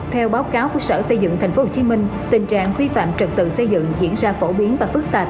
theo báo cáo phức sở xây dựng thành phố hồ chí minh tình trạng vi phạm trật tự xây dựng diễn ra phổ biến và phức tạp